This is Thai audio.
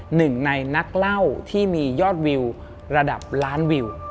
หนึ่งในนักเล่าที่มียอดวิวระดับล้านวิว